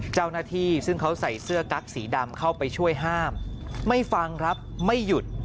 เจ้าหน้าที่ซึ่งเขาใส่เสื้อกั๊กสีดำเข้าไปช่วยห้ามไม่ฟังครับไม่หยุด